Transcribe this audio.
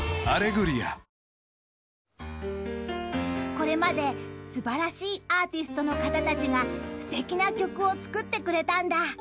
［これまで素晴らしいアーティストの方たちがすてきな曲を作ってくれたんだ］